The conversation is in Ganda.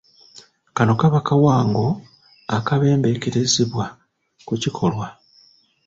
Kano kaba kawango, akabembeekerezebwa ku kikolwa.